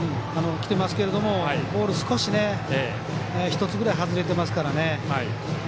きてますけれどもボール少しね１つぐらい外れてますからね。